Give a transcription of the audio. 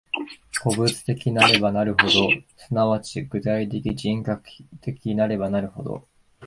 個物的なればなるほど、即ち具体的人格的なればなるほど、